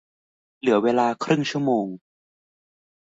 เวลาเหลือครึ่งชั่วโมง